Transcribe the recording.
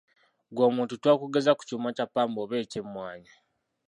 Ggwe omuntu twakugeza ku kyuma kya ppamba oba eky'emmwanyi.